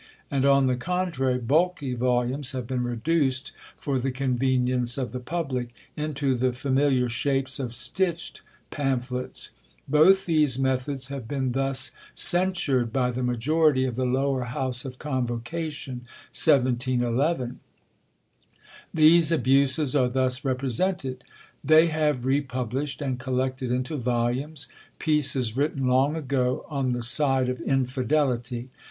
and, on the contrary, bulky volumes have been reduced, for the convenience of the public, into the familiar shapes of stitched pamphlets. Both these methods have been thus censured by the majority of the lower house of convocation 1711. These abuses are thus represented: "They have republished, and collected into volumes, pieces written long ago on the side of infidelity.